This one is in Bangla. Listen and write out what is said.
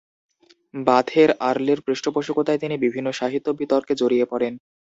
বাথের আর্লের পৃষ্ঠপোষকতায় তিনি বিভিন্ন সাহিত্য বিতর্কে জড়িয়ে পড়েন।